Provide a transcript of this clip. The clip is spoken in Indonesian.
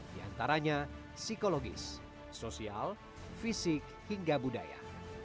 di antaranya psikologis sosial fisik hingga budaya